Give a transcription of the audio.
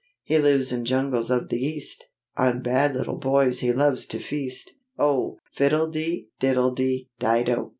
He lives in jungles of the East, On bad little boys he loves to feast: Oh! fiddledy, diddledy, dido!